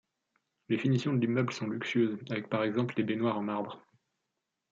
Les finitions de l'immeuble sont luxueuses, avec par exemple des baignoires en marbre.